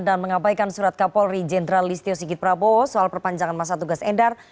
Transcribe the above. dan mengabaikan surat kapolri jendral listio sigit prabowo soal perpanjangan masa tugas endar